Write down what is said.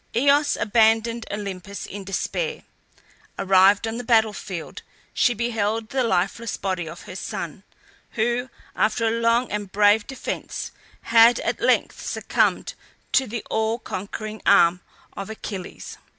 Eos abandoned Olympus in despair. Arrived on the battlefield she beheld the lifeless body of her son, who, after a long and brave defence, had at length succumbed to the all conquering arm of Achilles.